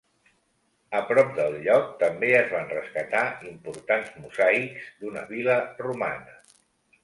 A prop del lloc, també es van rescatar importants mosaics d'una vil·la romana.